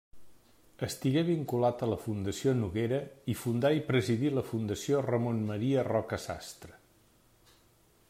Estigué vinculat a la Fundació Noguera i fundà i presidí la Fundació Ramon Maria Roca-Sastre.